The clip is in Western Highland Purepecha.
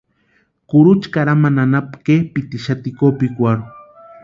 Kurucha karhamani anapu kepʼitixati kopikwarhu.